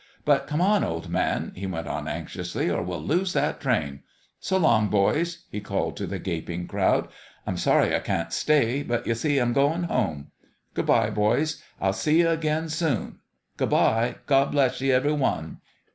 But come on, old man," he went on, anxiously, " or we'll lose that train. So long, boys !" he called to the gaping crowd. " I'm sorry I can't stay. But, ye see, I'm goin' home. Good bye, boys. I'll see ye again soon. Good bye. God bless ye, every one!"